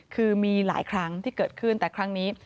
คือมีหลายครั้งที่เกิดขึ้นแต่ครั้งนี้